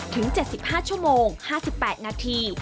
ถึง๗๕ชั่วโมง๕๘นาที